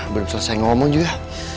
belum selesai ngomong juga